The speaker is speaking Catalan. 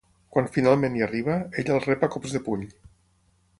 Quan finalment hi arriba, ella el rep a cops de puny.